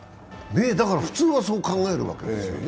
普通はそう考えるわけですよね。